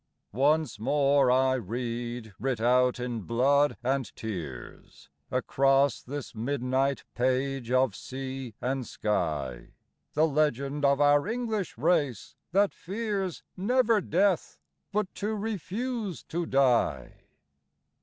Once more I read, writ out in blood and tears, Across this midnight page of sea and sky, The legend of our English race that fears, never death, but to refuse to die